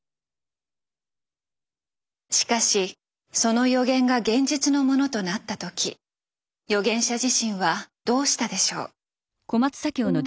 しかしその予言が現実のものとなった時予言者自身はどうしたでしょう？